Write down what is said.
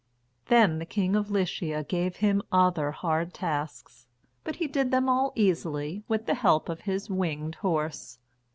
Then the King of Lycia gave him other hard tasks. But he did them all easily, with the help of his winged horse.